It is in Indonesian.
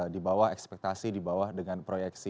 di bawah ekspektasi di bawah dengan proyeksi